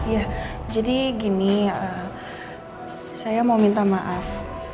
ya jadi gini saya mau minta maaf